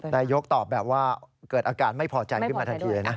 นายกตอบแบบว่าเกิดอาการไม่พอใจขึ้นมาทันทีเลยนะ